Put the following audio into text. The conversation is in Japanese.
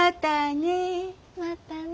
またね。